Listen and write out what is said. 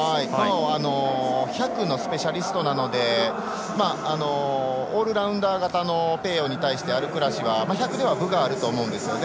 １００のスペシャリストなのでオールラウンダー型のペーヨーに対してアルクラシは１００では分があると思うんですね。